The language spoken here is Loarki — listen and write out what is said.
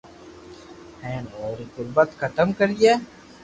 ھين اپو ري غربت ختم ڪرئي